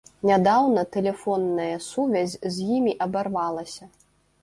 Нядаўна тэлефонная сувязь з імі абарвалася.